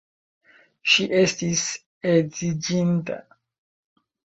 Ŝi estis edziniĝinta!